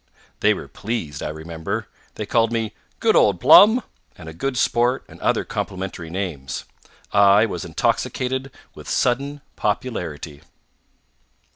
They were pleased, I remember. They called me "Good old Plum!" and a good sport and other complimentary names. I was intoxicated with sudden popularity.